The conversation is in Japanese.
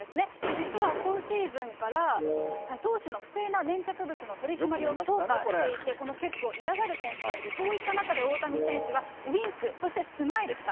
実は今シーズンから、投手の不正な粘着物の取締りを強化していて、このチェックを嫌がる選手もいる、そういった中で大谷選手はウインク、そしてスマイルした。